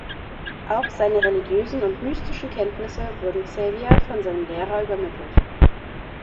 Auch seine religiösen und mystischen Kenntnisse wurden Xavier von seinem Lehrer übermittelt.